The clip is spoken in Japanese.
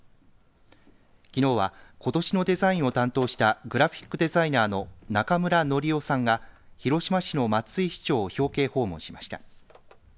きのうはことしのデザインを担当したグラフィックデザイナーの中村至男さんが広島市の松井市長を表敬訪問しました。